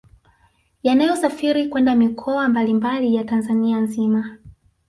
Yanayosafiri kwenda mikoa mbali mbali ya Tanzania nzima